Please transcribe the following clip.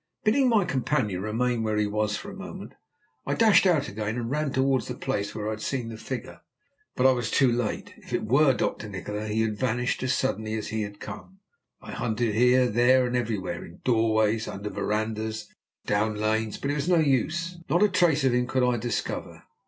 Bidding my companion remain where he was for a moment, I dashed out again and ran towards the place where I had seen the figure. But I was too late. If it were Dr. Nikola, he had vanished as suddenly as he had come. I hunted here, there, and everywhere, in doorways, under verandahs, and down lanes, but it was no use, not a trace of him could I discover.